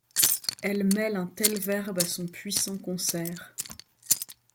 Elle mêle un tel verbe à son puissant concert